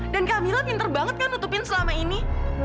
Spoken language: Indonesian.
dan kamila pinter banget kan nutupin selama ini